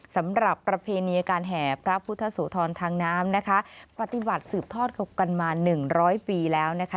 ประเพณีการแห่พระพุทธโสธรทางน้ำนะคะปฏิบัติสืบทอดกันมาหนึ่งร้อยปีแล้วนะคะ